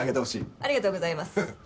ありがとうございます。